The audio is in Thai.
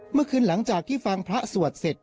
เมื่อคืนหลังจากที่ฟังพระสวัสดิ์เสร็จ